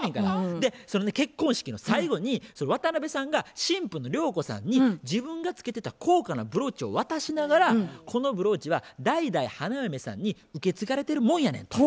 でその結婚式の最後に渡辺さんが新婦の涼子さんに自分が着けてた高価なブローチを渡しながら「このブローチは代々花嫁さんに受け継がれてるもんやねん」と。